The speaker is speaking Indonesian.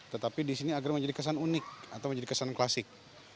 tetapi di sini agar menjadi kesan unik atau menjadi kesan klasik